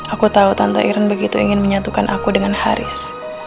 aku tahu tante iran begitu ingin menyatukan aku dengan haris